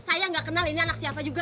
saya nggak kenal ini anak siapa juga